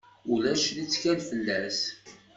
Ulac lettkal fell-as.